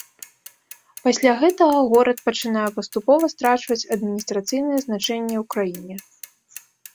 Пасля гэтага горад пачынае паступова страчваць адміністрацыйнае значэнне ў краіне.